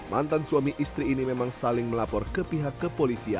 mantan suami istri ini memang saling melapor ke pihak kepolisian